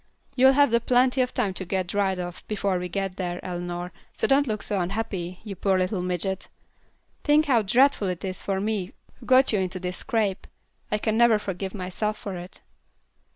You'll have plenty of time to get dried off, before we get there, Eleanor, so don't look so unhappy, you poor little midget. Think how dreadful it is for me who got you into this scrape. I can never forgive myself for it."